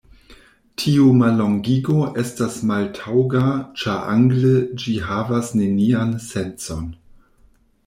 Tiu mallongigo estas maltaŭga ĉar angle ĝi havas nenian sencon.